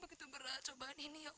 begitu merah cobaan ini ya allah